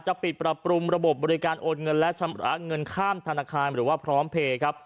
ปิดปรับปรุงระบบบบริการโอนเงินและชำระเงินข้ามธนาคารหรือว่าพร้อมเพลย์ครับ